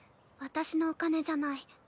私のお金じゃない。